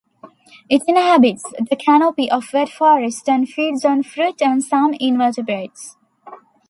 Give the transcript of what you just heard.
It inhabits the canopy of wet forest and feeds on fruit and some invertebrates.